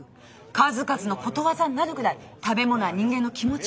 数々のことわざになるぐらい食べ物は人間の気持ちを動かすの。